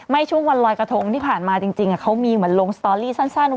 ใว่ช่วงวันรอยกะโทรงที่ผ่านมาจริงเขามีเหมือนลงสตอรี่สั้นแวบหนึ่ง